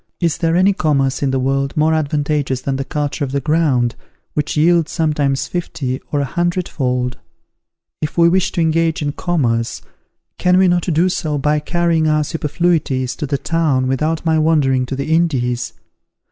Is there any commerce in the world more advantageous than the culture of the ground, which yields sometimes fifty or a hundred fold? If we wish to engage in commerce, can we not do so by carrying our superfluities to the town without my wandering to the Indies?